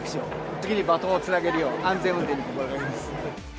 次にバトンをつなげるよう、安全運転を心がけます。